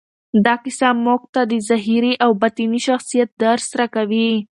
دا کیسه موږ ته د ظاهري او باطني شخصیت درس راکوي.